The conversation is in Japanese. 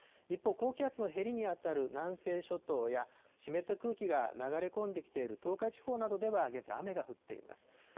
一方、高気圧のへりに当たる南西諸島や湿った空気が流れ込んできている東海地方などでは現在、雨が降っています。